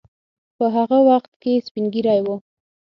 په هغه وخت کې سپین ږیری وو.